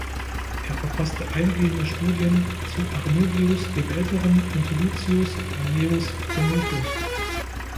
Er verfasste eingehende Studien zu Arnobius dem Älteren und Lucius Annaeus Cornutus.